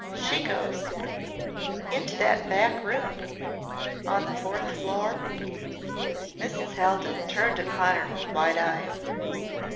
"She goes into that back room on the fourth floor " Mrs. Haldon turned upon her with wide eyes.